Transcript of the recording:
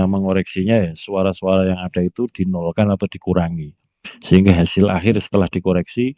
perbisaan artikel dari ked tho